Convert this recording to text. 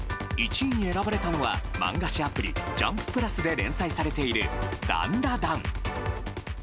１位に選ばれたのは漫画誌アプリジャンプ＋で連載されている「ダンダダン」。